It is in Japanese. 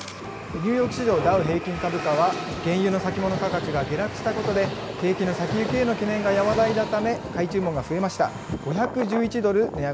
ニューヨーク市場ダウ平均株価は、原油の先物価格が下落したことで、景気の先行きへの懸念が和らいだため、買い注文が増えました。